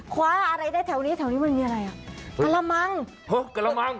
คว้าอะไรได้แถวนี้แถวนี้มันมีอะไรอ่ะกระมังเฮ้ยกระมัง